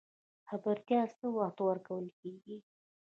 خبرتیا څه وخت ورکول کیږي؟